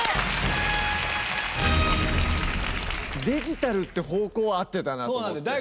デジタルって方向は合ってたなと思って。